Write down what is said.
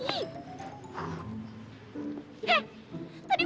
ih tau ih